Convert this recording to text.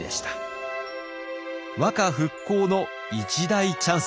和歌復興の一大チャンス。